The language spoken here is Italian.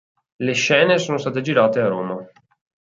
Le scene sono state girate a Roma.